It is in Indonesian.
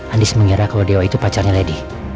anies mengira kalau dewa itu pacarnya lady